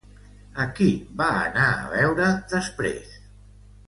A qui va anar a veure després?